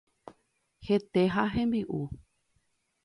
Hete ha hembi'u.